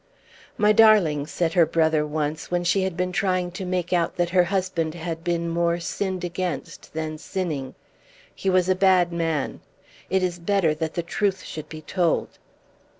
"My darling," said her brother once, when she had been trying to make out that her husband had been more sinned against than sinning, "he was a bad man. It is better that the truth should be told."